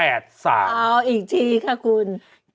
เอาอีกทีค่ะคุณ